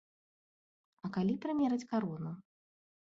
А калі прымерыць карону?